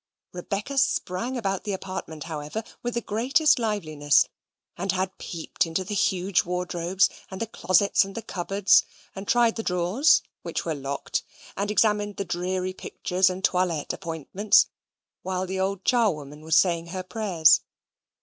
Rebecca sprang about the apartment, however, with the greatest liveliness, and had peeped into the huge wardrobes, and the closets, and the cupboards, and tried the drawers which were locked, and examined the dreary pictures and toilette appointments, while the old charwoman was saying her prayers.